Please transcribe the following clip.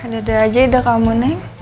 dada aja udah kamu neng